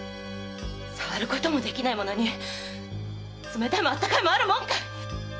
触ることもできないものに冷たいも温かいもあるもんか！